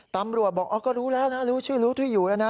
ตำรวจบอกอ๋อก็รู้แล้วนะรู้ชื่อรู้ที่อยู่แล้วนะ